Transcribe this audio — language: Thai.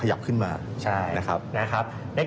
ถูกต้อง